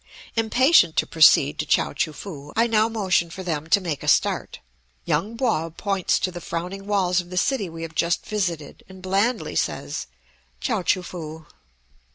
Impatient to proceed to Chao choo foo I now motion for them to make a start. Yung Po points to the frowning walls of the city we have just visited, and blandly says, "Chao choo foo."